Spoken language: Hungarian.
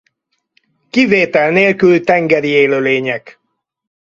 Kivétel nélkül tengeri élőlények.